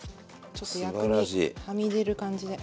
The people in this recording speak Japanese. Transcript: ちょっと薬味はみ出る感じで。